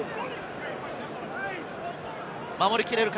守り切れるか？